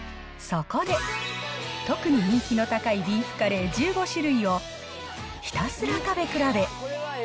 そこで、特に人気の高いビーフカレー１５種類をひたすら食べ比べ。